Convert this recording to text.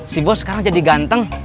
si bo sekarang jadi ganteng